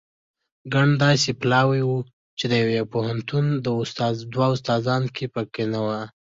ګڼ داسې پلاوي وو چې د یوه پوهنتون دوه استادان په کې نه وو.